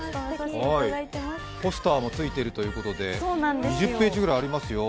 ポスターもついているということで２０ページぐらいありますよ。